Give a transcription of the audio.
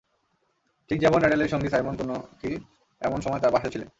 ঠিক যেমন অ্যাডেলের সঙ্গী সাইমন কোনেকি এমন সময় তাঁর পাশে ছিলেন।